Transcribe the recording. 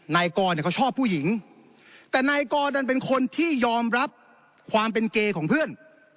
นายกรเนี่ยเขาชอบผู้หญิงแต่นายกรดันเป็นคนที่ยอมรับความเป็นเกย์ของเพื่อน